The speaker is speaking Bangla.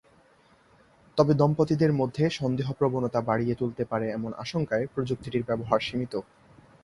তবে দম্পতিদের মধ্যে সন্দেহপ্রবণতা বাড়িয়ে তুলতে পারে এমন আশঙ্কায় প্রযুক্তিটির ব্যবহার সীমিত।